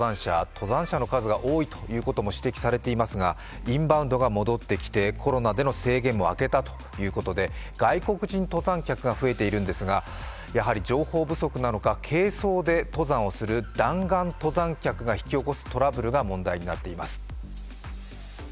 登山者の数が多いということも指摘されていますが、インバウンドが戻ってきてコロナでの制限も明けたということで外国人登山客が増えているんですがやはり情報不足なのか、軽装で登山をする弾丸登山客が引き起こすトラブルが問題になっています。